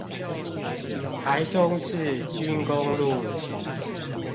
台中市軍功路